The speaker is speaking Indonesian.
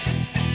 saya yang menang